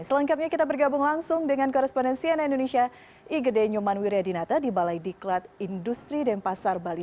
selengkapnya kita bergabung langsung dengan korespondensian indonesia igede nyoman wiryadinata di balai diklat industri dan pasar bali